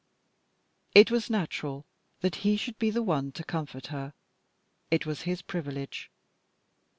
It was natural that he should be the one to comfort her. It was his privilege.